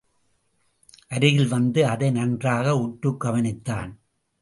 அருகில் வந்து அதை நன்றாக உற்றுக் கவனித்தான்.